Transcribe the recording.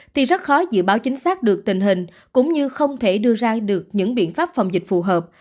thì rất khó dự báo chính xác được tình hình cũng như không thể đưa ra được những biện pháp phòng dịch phù hợp